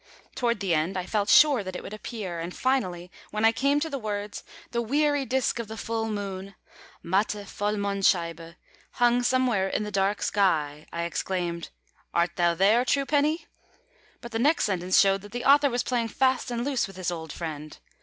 Toward the end, I felt sure that it would appear, and finally, when I came to the words, "The weary disk of the full moon (matte Vollmondscheibe) hung somewhere in the dark sky," I exclaimed, "Art thou there, truepenny?" but the next sentence showed that the author was playing fast and loose with his old friend.